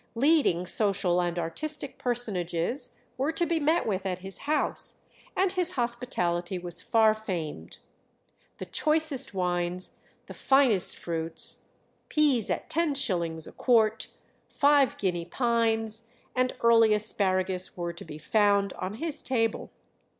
Leading social and artistic personages were to be met with at his house, and his hospitality was far famed. The choicest wines, the finest fruits, peas at ten shillings a quart, five guinea pines, and early asparagus were to be found on his table.